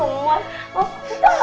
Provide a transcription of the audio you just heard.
kumai udah pulang